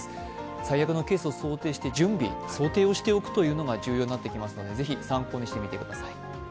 最悪のケースを想定して、準備をしておくことが重要になってきますのでぜひ参考にしてみてください。